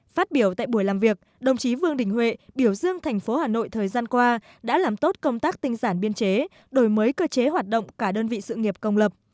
phát biểu tại buổi làm việc đồng chí vương đình huệ biểu dương thành phố hà nội thời gian qua đã làm tốt công tác tinh giản biên chế đổi mới cơ chế hoạt động cả đơn vị sự nghiệp công lập